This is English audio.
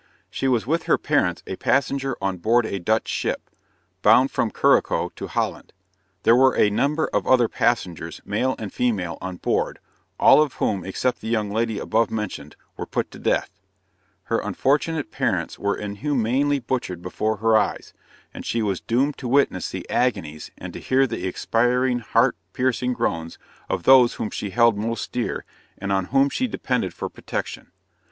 she was with her parents a passenger on board a Dutch ship, bound from Curracoa to Holland; there were a number of other passengers, male and female, on board, all of whom except the young lady above mentioned were put to death; her unfortunate parents were inhumanly butchered before her eyes, and she was doomed to witness the agonies and to hear the expiring, heart piercing groans of those whom she held most dear, and on whom she depended for protection!